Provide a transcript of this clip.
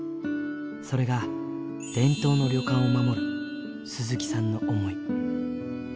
それが伝統の旅館を守る鈴木さんの想い。